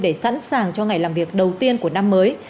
để sẵn sàng cho ngày làm việc đầu tiên của năm mới